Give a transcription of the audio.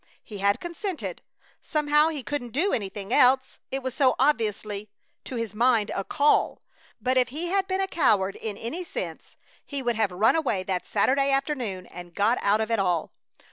He had consented. Somehow he couldn't do anything else, it was so obviously to his mind a "call"; but if had been a coward in any sense he would have run away that Saturday afternoon and got out of it all.